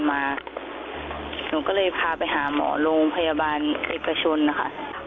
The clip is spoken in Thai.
กลับบ้านมาหนูก็เลยพาไปหาหมอโรงพยาบาลเอกชนนะคะ